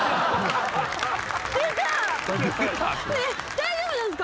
大丈夫なんですか？